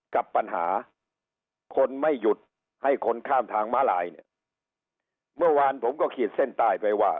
กับปัญหาคนไม่หยุดให้คนข้ามทางม้าลายเนี่ยเมื่อวานผมก็ขีดเส้นใต้ไปว่า